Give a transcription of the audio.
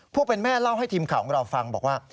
ผู้เป็นแม่เล่าให้ทีมข่าวของเราฟังบอกว่า